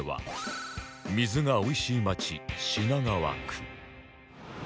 水がおいしい街品川区